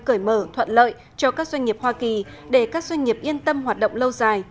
cởi mở thuận lợi cho các doanh nghiệp hoa kỳ để các doanh nghiệp yên tâm hoạt động lâu dài